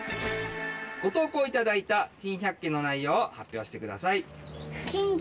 ご投稿頂いた珍百景の内容を発表してください。